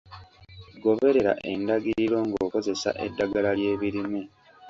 Goberera endagiriro ng'okozesa eddagala ly'ebirime.